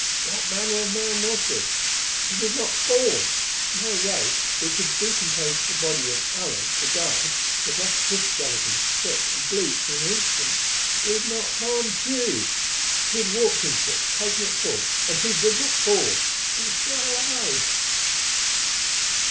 What manner of man was this? He did not fall! My ray, which had decomposed the body of Alent, the guard, and left his skeleton stripped and bleached in an instant, did not harm Tugh! He had walked into it, taken it full and he did not fall! He was still alive!